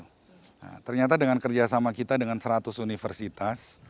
nah ternyata dengan kerjasama kita dengan seratus universitas